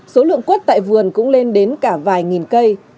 số lượng quất tại vườn cũng lên đến cả vài nghìn cây